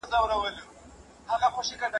ملي عاید د نویو لارو چارو له امله زیاتیږي.